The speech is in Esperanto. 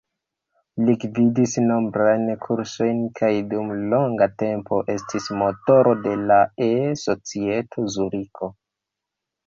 Li gvidis nombrajn kursojn kaj dum longa tempo estis motoro de la E-Societo Zuriko.